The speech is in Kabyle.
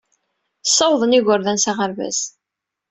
Ssawḍen igerdan s aɣerbaz.